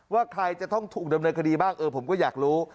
ว่าใครจะต้องถูกดำเนินคดีบ้างเออผมก็อยากรู้